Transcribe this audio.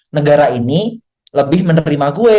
negara ini lebih menerima gue